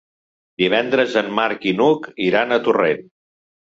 Divendres en Marc i n'Hug iran a Torrent.